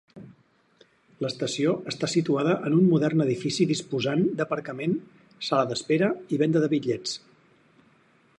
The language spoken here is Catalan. L'estació està situada en un modern edifici disposant d'aparcament, sala d'espera i venda de bitllets.